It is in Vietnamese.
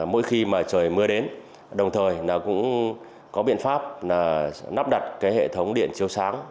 mỗi khi trời mưa đến đồng thời cũng có biện pháp nắp đặt hệ thống điện chiếu sáng